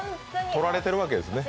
撮られてるわけですね。